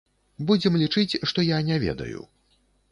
Будзем лічыць, што я не ведаю.